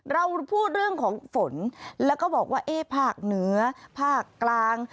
เราพูดเรื่องของฝนแล้วก็บอกว่าเอ๊ะภาคเหนือภาคกลาง